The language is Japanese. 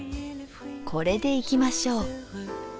これでいきましょう。